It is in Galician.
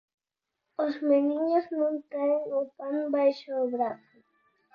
'Os meniños non traen o pan baixo o brazo'.